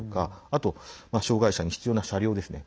あと、障害者に必要な車両ですね。